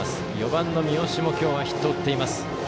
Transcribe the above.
４番の三好も今日はヒットを打っています。